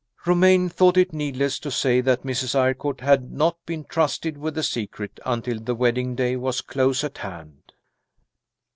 Romayne thought it needless to say that Mrs. Eyrecourt had not been trusted with the secret until the wedding day was close at hand.